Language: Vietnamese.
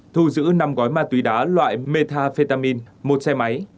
thu giữ năm gói ma túy đá loại metafetamin một xe máy